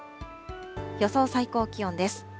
予想最高気温です。